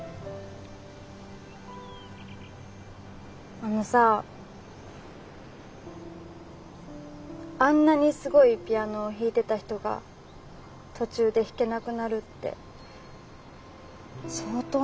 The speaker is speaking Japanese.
あのさあんなにすごいピアノを弾いてた人が途中で弾けなくなるって相当なことだと思うの。